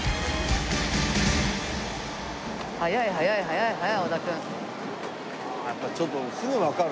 速い速い速い速い織田君。